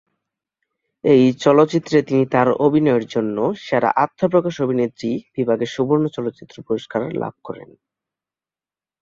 এই চলচ্চিত্রে তিনি তাঁর অভিনয়ের জন্য "সেরা আত্মপ্রকাশ অভিনেত্রী" বিভাগে সুবর্ণ চলচ্চিত্র পুরস্কার লাভ করেন।